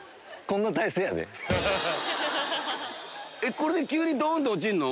これで急にドン！って落ちんの？